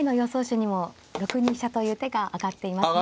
手にも６二飛車という手が挙がっています。